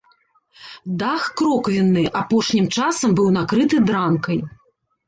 Дах кроквенны, апошнім часам быў накрыты дранкай.